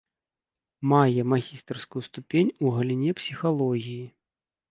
Мае магістарскую ступень у галіне псіхалогіі.